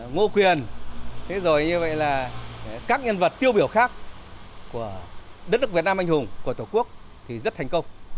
ngô quyền thế rồi như vậy là các nhân vật tiêu biểu khác của đất nước việt nam anh hùng của tổ quốc thì rất thành công